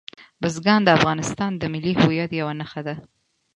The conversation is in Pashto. بزګان د افغانستان د ملي هویت یوه نښه ده.